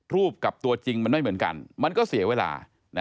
กับตัวจริงมันไม่เหมือนกันมันก็เสียเวลา